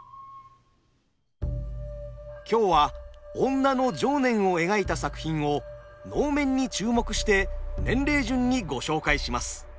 今日は女の情念を描いた作品を能面に注目して年齢順にご紹介します。